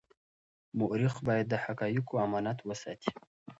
مورخ باید د حقایقو امانت وساتي.